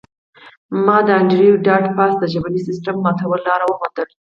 ما د انډریو ډاټ باس د ژبني سیستم ماتولو لار وموندله